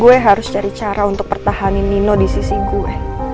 gue harus cari cara untuk pertahanin nino disisi gue